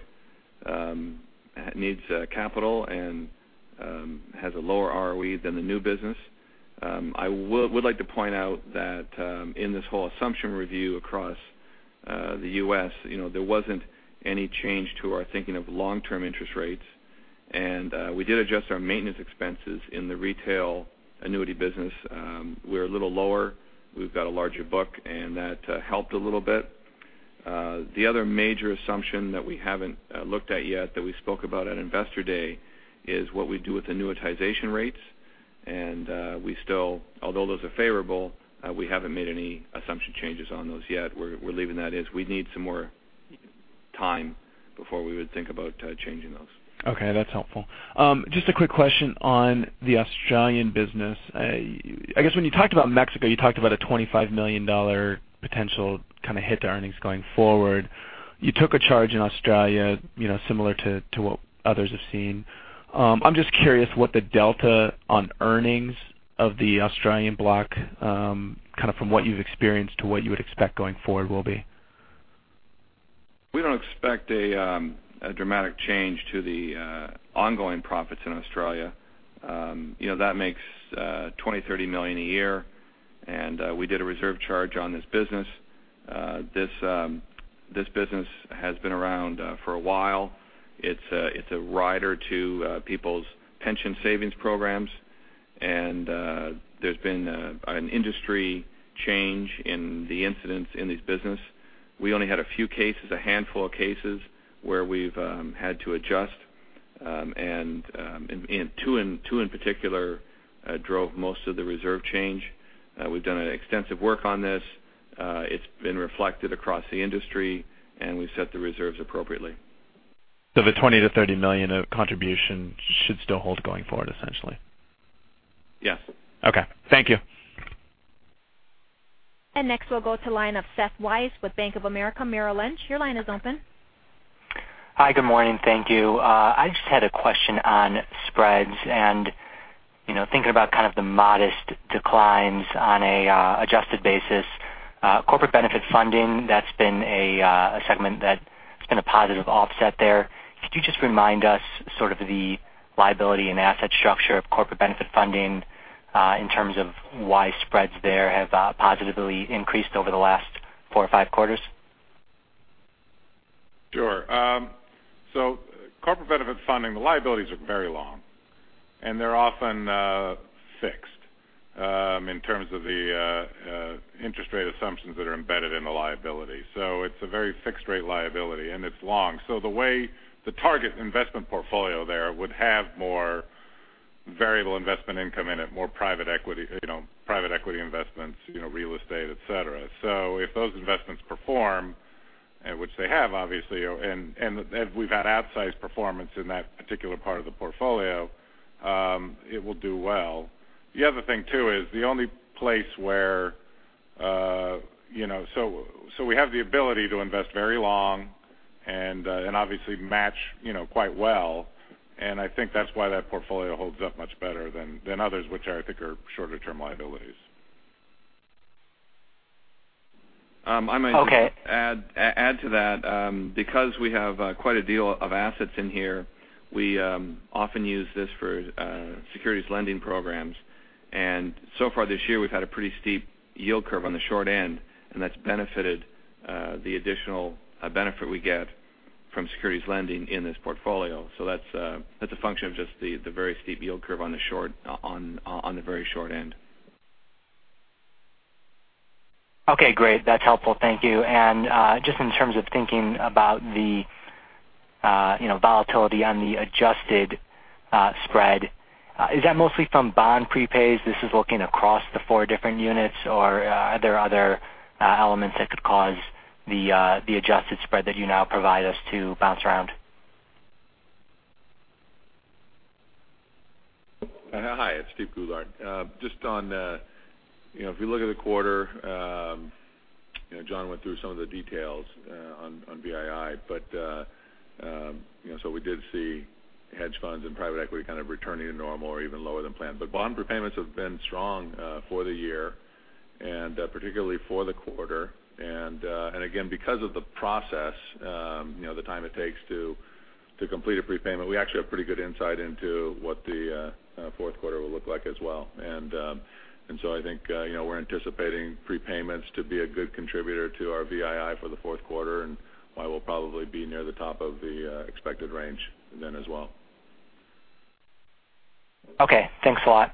[SPEAKER 3] needs capital and has a lower ROE than the new business. I would like to point out that in this whole assumption review across the U.S., there wasn't any change to our thinking of long-term interest rates. We did adjust our maintenance expenses in the retail annuity business. We're a little lower. We've got a larger book. That helped a little bit. The other major assumption that we haven't looked at yet that we spoke about at Investor Day is what we do with annuitization rates. Although those are favorable, we haven't made any assumption changes on those yet. We're leaving that as we need some more time
[SPEAKER 4] Before we would think about changing those.
[SPEAKER 11] Okay, that's helpful. Just a quick question on the Australian business. I guess when you talked about Mexico, you talked about a $25 million potential hit to earnings going forward. You took a charge in Australia similar to what others have seen. I'm just curious what the delta on earnings of the Australian block, from what you've experienced to what you would expect going forward, will be.
[SPEAKER 4] We don't expect a dramatic change to the ongoing profits in Australia. That makes $20 million-$30 million a year. We did a reserve charge on this business. This business has been around for a while. It's a rider to people's pension savings programs, there's been an industry change in the incidents in this business. We only had a few cases, a handful of cases, where we've had to adjust. Two in particular drove most of the reserve change. We've done extensive work on this. It's been reflected across the industry, and we set the reserves appropriately.
[SPEAKER 11] The $20 million-$30 million of contribution should still hold going forward, essentially.
[SPEAKER 4] Yes.
[SPEAKER 11] Okay. Thank you.
[SPEAKER 1] Next, we'll go to the line of Seth Weiss with Bank of America Merrill Lynch. Your line is open.
[SPEAKER 12] Hi, good morning. Thank you. I just had a question on spreads and thinking about the modest declines on an adjusted basis. Corporate benefit funding, that's been a segment that's been a positive offset there. Could you just remind us sort of the liability and asset structure of corporate benefit funding in terms of why spreads there have positively increased over the last four or five quarters?
[SPEAKER 13] Sure. Corporate benefit funding, the liabilities are very long, and they're often fixed in terms of the interest rate assumptions that are embedded in the liability. It's a very fixed rate liability, and it's long. The way the target investment portfolio there would have more variable investment income in it, more private equity investments, real estate, et cetera. If those investments perform, which they have, obviously, and we've had outsized performance in that particular part of the portfolio, it will do well. The other thing, too, is the only place where. We have the ability to invest very long and obviously match quite well, and I think that's why that portfolio holds up much better than others, which I think are shorter-term liabilities.
[SPEAKER 12] Okay.
[SPEAKER 4] I might just add to that. Because we have quite a deal of assets in here, we often use this for securities lending programs. So far this year, we've had a pretty steep yield curve on the short end, and that's benefited the additional benefit we get from securities lending in this portfolio. That's a function of just the very steep yield curve on the very short end.
[SPEAKER 12] Okay, great. That's helpful. Thank you. Just in terms of thinking about the volatility on the adjusted spread, is that mostly from bond prepays? This is looking across the four different units, or are there other elements that could cause the adjusted spread that you now provide us to bounce around?
[SPEAKER 13] Hi, it's Steven Goulart. If you look at the quarter, John went through some of the details on VII. We did see hedge funds and private equity kind of returning to normal or even lower than planned. Bond prepayments have been strong for the year, and particularly for the quarter. Again, because of the process, the time it takes to complete a prepayment, we actually have pretty good insight into what the fourth quarter will look like as well. I think we're anticipating prepayments to be a good contributor to our VII for the fourth quarter and why we'll probably be near the top of the expected range then as well.
[SPEAKER 12] Okay. Thanks a lot.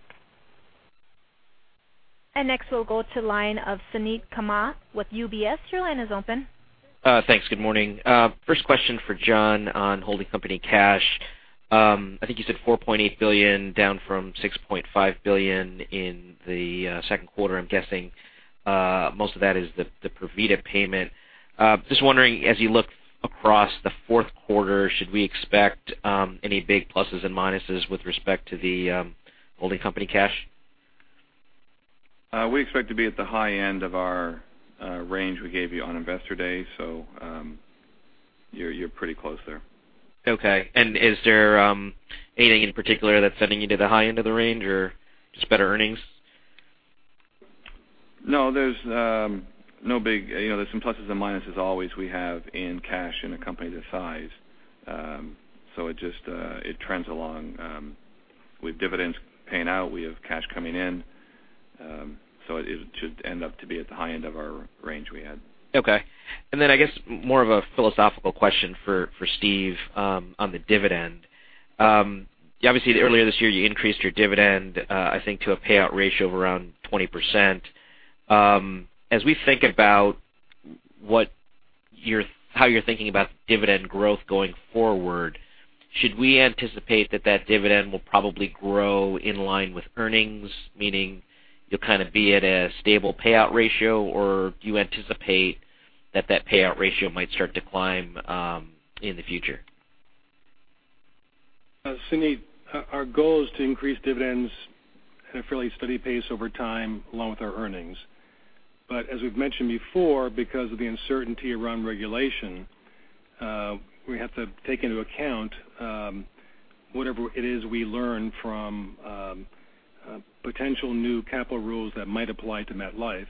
[SPEAKER 1] Next, we'll go to the line of Suneet Kamath with UBS. Your line is open.
[SPEAKER 14] Thanks. Good morning. First question for John on holding company cash. I think you said $4.8 billion, down from $6.5 billion in the second quarter. I'm guessing most of that is the Provida payment. Just wondering, as you look across the fourth quarter, should we expect any big pluses and minuses with respect to the holding company cash?
[SPEAKER 4] We expect to be at the high end of our range we gave you on Investor Day, you're pretty close there.
[SPEAKER 14] Okay. Is there anything in particular that's sending you to the high end of the range or just better earnings?
[SPEAKER 4] No, there's some pluses and minuses always we have in cash in a company this size. It trends along. With dividends paying out, we have cash coming in. It should end up to be at the high end of our range we had.
[SPEAKER 14] Okay. I guess more of a philosophical question for Steve on the dividend. Obviously, earlier this year you increased your dividend, I think, to a payout ratio of around 20%. As we think about how you're thinking about dividend growth going forward Should we anticipate that that dividend will probably grow in line with earnings, meaning you'll kind of be at a stable payout ratio? Or do you anticipate that that payout ratio might start to climb in the future?
[SPEAKER 3] Suneet, our goal is to increase dividends at a fairly steady pace over time, along with our earnings. As we've mentioned before, because of the uncertainty around regulation, we have to take into account whatever it is we learn from potential new capital rules that might apply to MetLife,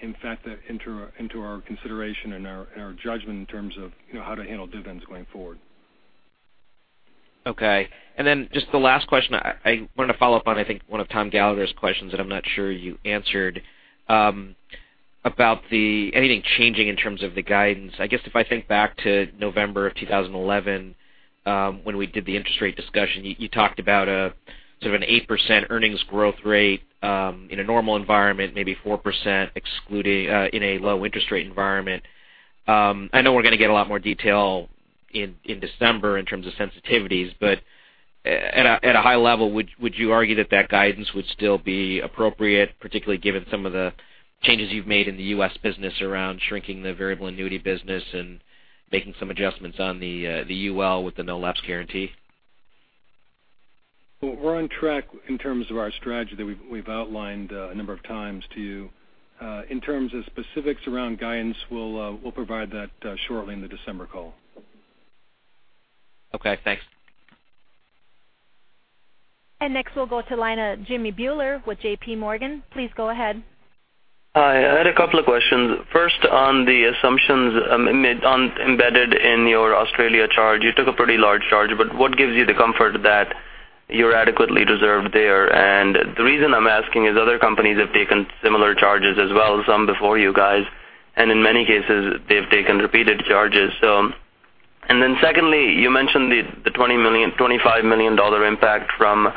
[SPEAKER 3] in fact, into our consideration and our judgment in terms of how to handle dividends going forward.
[SPEAKER 14] Okay. Just the last question. I want to follow up on, I think, one of Tom Gallagher's questions that I'm not sure you answered, about anything changing in terms of the guidance. I guess if I think back to November of 2011, when we did the interest rate discussion, you talked about sort of an 8% earnings growth rate, in a normal environment, maybe 4% in a low interest rate environment. I know we're going to get a lot more detail in December in terms of sensitivities. At a high level, would you argue that that guidance would still be appropriate, particularly given some of the changes you've made in the U.S. business around shrinking the variable annuity business and making some adjustments on the UL with the no-lapse guarantee?
[SPEAKER 3] Well, we're on track in terms of our strategy that we've outlined a number of times to you. In terms of specifics around guidance, we'll provide that shortly in the December call.
[SPEAKER 14] Okay, thanks.
[SPEAKER 1] Next, we'll go to the line of Jimmy Bhullar with J.P. Morgan. Please go ahead.
[SPEAKER 15] Hi. I had a couple of questions. First, on the assumptions embedded in your Australia charge. You took a pretty large charge, but what gives you the comfort that you're adequately reserved there? The reason I'm asking is other companies have taken similar charges as well, some before you guys, in many cases, they've taken repeated charges. Then secondly, you mentioned the $25 million impact from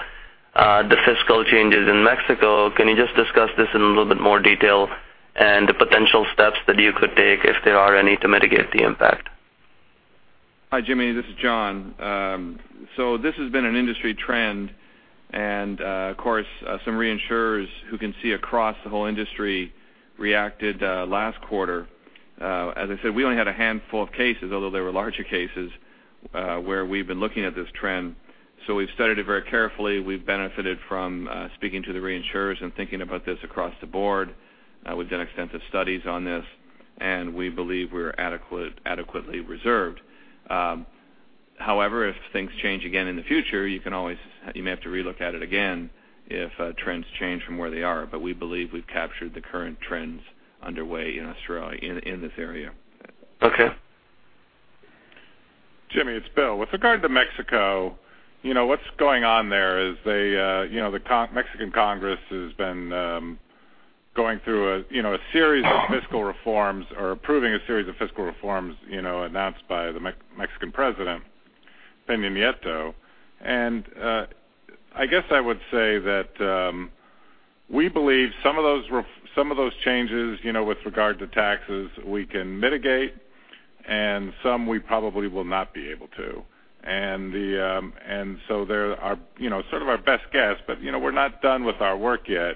[SPEAKER 15] the fiscal changes in Mexico. Can you just discuss this in a little bit more detail and the potential steps that you could take, if there are any, to mitigate the impact?
[SPEAKER 4] Hi, Jimmy. This is John. This has been an industry trend, and of course, some reinsurers who can see across the whole industry reacted last quarter. As I said, we only had a handful of cases, although they were larger cases, where we've been looking at this trend. We've studied it very carefully. We've benefited from speaking to the reinsurers and thinking about this across the board. We've done extensive studies on this, and we believe we're adequately reserved. However, if things change again in the future, you may have to re-look at it again if trends change from where they are. We believe we've captured the current trends underway in Australia in this area.
[SPEAKER 15] Okay.
[SPEAKER 6] Jimmy, it's Bill. With regard to Mexico, what's going on there is the Mexican Congress has been going through a series of fiscal reforms or approving a series of fiscal reforms announced by the Mexican president, Peña Nieto. I guess I would say that we believe some of those changes with regard to taxes we can mitigate, and some we probably will not be able to. There are sort of our best guess, but we're not done with our work yet,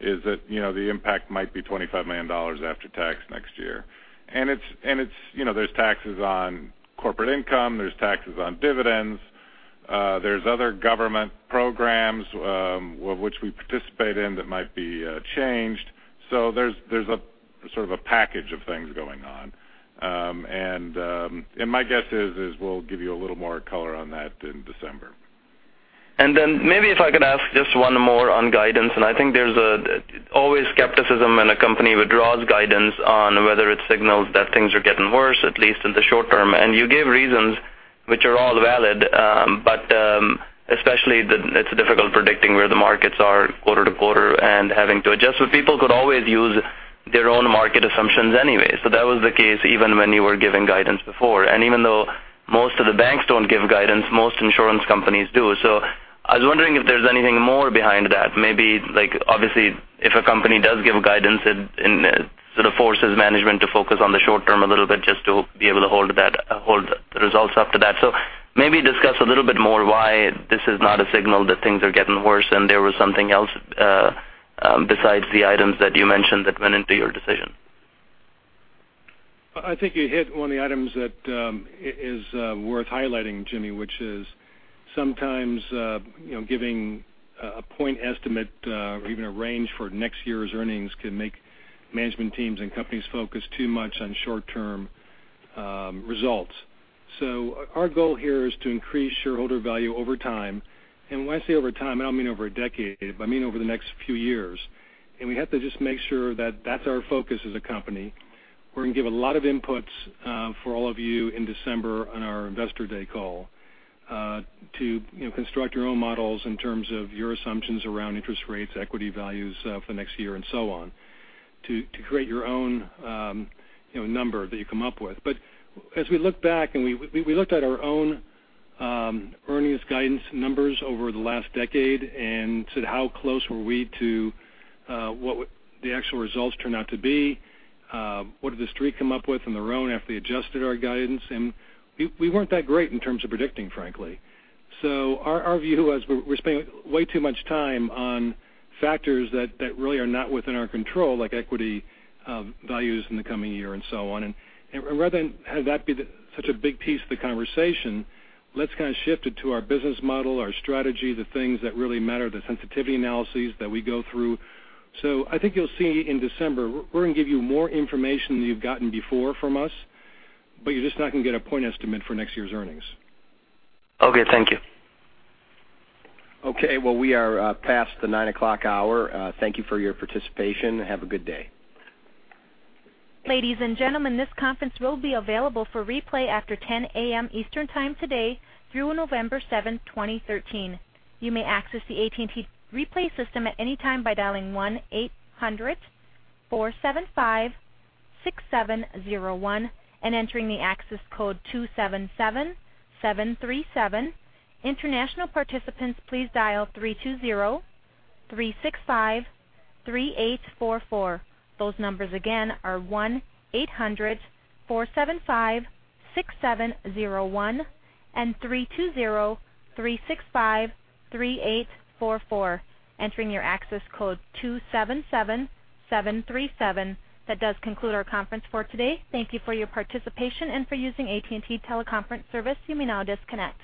[SPEAKER 6] is that the impact might be $25 million after tax next year. There's taxes on corporate income, there's taxes on dividends, there's other government programs which we participate in that might be changed. There's a sort of a package of things going on. My guess is we'll give you a little more color on that in December.
[SPEAKER 15] Maybe if I could ask just one more on guidance, I think there's always skepticism when a company withdraws guidance on whether it signals that things are getting worse, at least in the short term. You gave reasons which are all valid, but especially that it's difficult predicting where the markets are quarter-to-quarter and having to adjust. People could always use their own market assumptions anyway. That was the case even when you were giving guidance before. Even though most of the banks don't give guidance, most insurance companies do. I was wondering if there's anything more behind that. Maybe obviously, if a company does give guidance, it sort of forces management to focus on the short term a little bit just to be able to hold the results up to that. Maybe discuss a little bit more why this is not a signal that things are getting worse, and there was something else besides the items that you mentioned that went into your decision.
[SPEAKER 3] I think you hit one of the items that is worth highlighting, Jimmy, which is sometimes giving a point estimate or even a range for next year's earnings can make management teams and companies focus too much on short-term results. Our goal here is to increase shareholder value over time. When I say over time, I don't mean over a decade, but I mean over the next few years. We have to just make sure that that's our focus as a company. We're going to give a lot of inputs for all of you in December on our investor day call to construct your own models in terms of your assumptions around interest rates, equity values for the next year, and so on to create your own number that you come up with. As we look back, and we looked at our own earnings guidance numbers over the last decade and said, how close were we to what the actual results turned out to be? What did the street come up with on their own after they adjusted our guidance? We weren't that great in terms of predicting, frankly. Our view was we're spending way too much time on factors that really are not within our control, like equity values in the coming year and so on. Rather than have that be such a big piece of the conversation, let's kind of shift it to our business model, our strategy, the things that really matter, the sensitivity analyses that we go through. I think you'll see in December, we're going to give you more information than you've gotten before from us, but you're just not going to get a point estimate for next year's earnings.
[SPEAKER 15] Okay. Thank you.
[SPEAKER 2] Okay. Well, we are past the 9:00 hour. Thank you for your participation, and have a good day.
[SPEAKER 1] Ladies and gentlemen, this conference will be available for replay after 10:00 A.M. Eastern Time today through November 7th, 2013. You may access the AT&T replay system at any time by dialing 1-800-475-6701 and entering the access code 277737. International participants, please dial 320-365-3844. Those numbers again are 1-800-475-6701 and 320-365-3844, entering your access code 277737. That does conclude our conference for today. Thank you for your participation and for using AT&T Teleconference service. You may now disconnect.